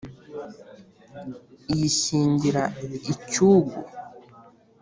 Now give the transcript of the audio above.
Iyishyingira icyugu,